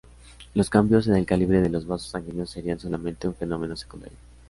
Los cambios en el calibre de los vasos sanguíneos serían solamente un fenómeno secundario.